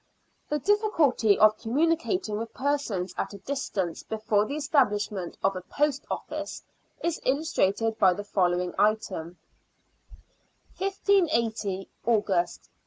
The difficulty of communicating with persons at a distance before the establishment of a post office is illus trated by the following item :—" 1580, August.